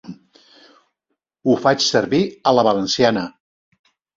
Ho faig servir a la valenciana.